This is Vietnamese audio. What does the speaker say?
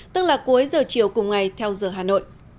tức là cuối giờ chiều cùng ngày theo giờ hà nội